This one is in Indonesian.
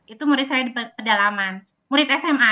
itu murid saya di pedalaman murid sma